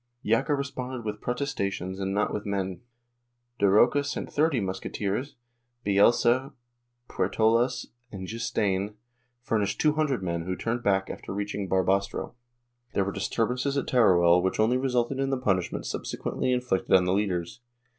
Jaca responded with protestations and not with men; Daroca sent thirty muske teers; Bielsa, Puertolas and Gistain furnished two hundred men who turned back after reaching Barbastro. There were dis turbances at Teruel which only resulted in the punishment sub sequently inflicted on the leaders.